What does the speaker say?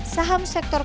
saham sektor kontrak